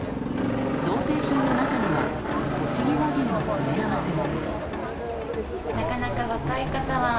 贈呈品の中にはとちぎ和牛の詰め合わせも。